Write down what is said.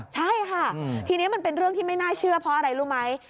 ใช่ค่ะทีนี้มันเป็นเรื่องที่ไม่น่าเชื่อเพราะอะไรรู้ไหม